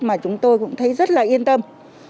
mà chúng tôi cũng thấy rất yên tâm